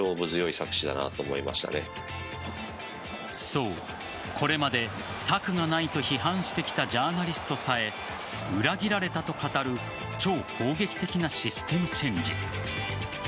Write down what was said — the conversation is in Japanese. そう、これまで策がないと批判してきたジャーナリストさえ裏切られたと語る超攻撃的なシステムチェンジ。